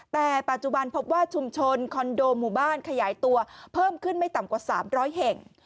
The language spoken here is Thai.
แต่ปัจจุบันพบว่าชุมชนคอนโดหมู่บ้านขยายตัวเพิ่มขึ้นไม่ต่ำกว่า๓๐๐แห่ง